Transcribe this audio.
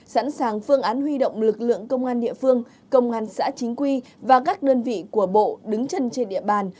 sẵn sàng phương án huy động lực lượng công an địa phương công an xã chính quy và các đơn vị của bộ đứng chân trên địa bàn